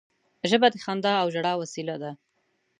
ژبه د خندا او ژړا وسیله ده